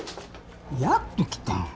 やっと来た。